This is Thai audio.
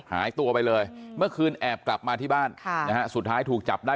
หายตัวไปเลยเมื่อคืนแอบกลับมาที่บ้านค่ะนะฮะสุดท้ายถูกจับได้